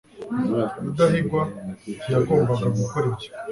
rudahigwa ntiyagombaga gukora ibyo